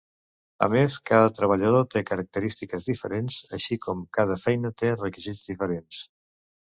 A més, cada treballador té característiques diferents, així com cada feina té requisits diferents.